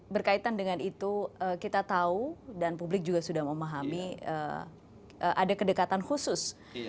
berkaitan dengan itu kita tahu dan publik juga sudah memahami ada kedekatan khusus